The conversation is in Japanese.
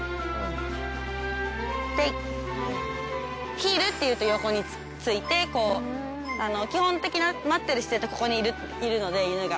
ヒールっていうと横について基本的な待ってる姿勢ってここにいるので犬が。